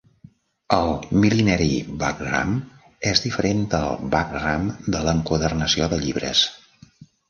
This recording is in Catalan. El Millinery buckram és diferent del buckram de l'enquadernació de llibres.